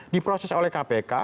diproses oleh kpk